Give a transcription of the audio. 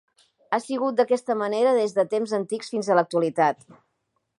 Ha sigut d'aquesta manera des de temps antics fins a l'actualitat.